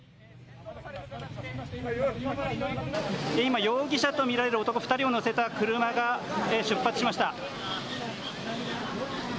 今、容疑者と見られる男２人を乗せた車が出発しました。